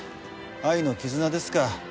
愛の絆ですか。